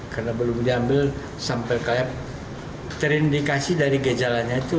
karena belum diambil sampel kayak terindikasi dari gejalannya itu